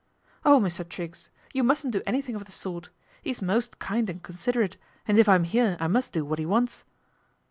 " Oh, Mr. Triggs ! You mustn't do anything of the sort. He's most kind and considerate, and if I am here I must do what he wants."